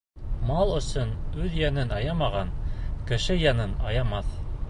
Мал өсөн үҙ йәнен аямаған, кеше йәнен аямаҫ.